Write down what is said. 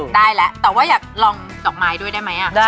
ได้แล้วแต่ว่าอยากลองดอกไม้ด้วยได้ไหม